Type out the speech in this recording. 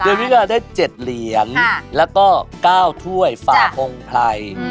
เดือนพฤษภาคมได้๗เหรียญแล้วก็๙ถ้วยฝ่าพงภัย